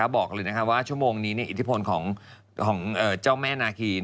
บอกเลยว่าชั่วโมงนี้อิทธิพลของเจ้าแม่นาคี